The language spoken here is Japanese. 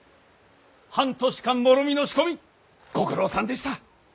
半年間もろみの仕込みご苦労さんでした。